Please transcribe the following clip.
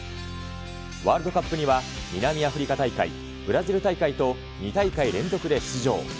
ワールドカップには南アフリカ大会、ブラジル大会と、２大会連続で出場。